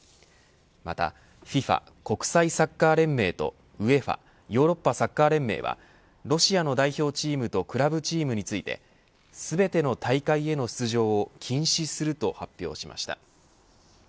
またＦＩＦＡ国際サッカー連盟とＵＥＦＡヨーロッパサッカー連盟はロシアの代表チームとクラブチームについて全ての大会への出場を禁止すると発表しました。